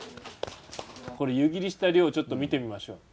これ湯切りした量ちょっと見てみましょう。